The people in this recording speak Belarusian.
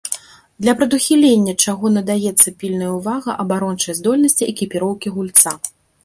Для прадухілення чаго надаецца пільная ўвага абарончай здольнасці экіпіроўкі гульца.